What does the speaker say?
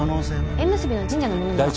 縁結びの神社のもの